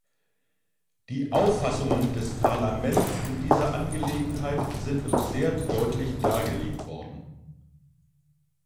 Die Auffassungen des Parlaments in dieser Angelegenheit sind uns sehr deutlich dargelegt worden.